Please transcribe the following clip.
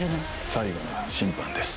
「最後の審判」です。